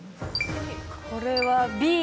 これは、Ｂ。